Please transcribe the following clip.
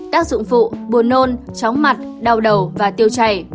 tác dụng phụ buồn nôn chóng mặt đau đầu và tiêu chảy